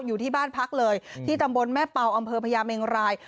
อยู่ที่บ้านพักเลยที่ตำบลแม่เป่าอำเภอพญาเมงราย